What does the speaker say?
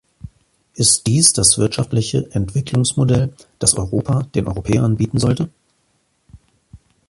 Ist dies das wirtschaftliche Entwicklungsmodell, das Europa den Europäern bieten sollte?